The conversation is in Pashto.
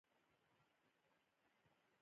سرچران له خلکو سره نږدې دي.